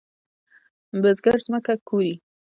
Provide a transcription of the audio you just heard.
بزګر زمکه کوري.